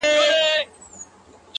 نور د سپي امتیاز نه سمه منلای.!